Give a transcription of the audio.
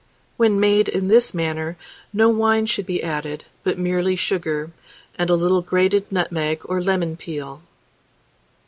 When made in this manner, no wine should be added, but merely sugar, and a little grated nutmeg or lemon peel.